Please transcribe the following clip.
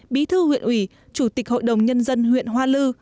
bí thư huyện ủy chủ tịch hội đồng nhân dân huyện hoa lư